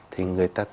thì người ta